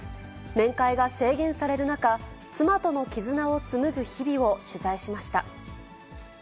面会が制限される中、妻との絆をつむぐ日々を取材しました。